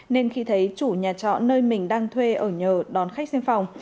nên khi thấy chủ nhà trọ nơi mình đang thuê ở nhờ đón khách xem phòng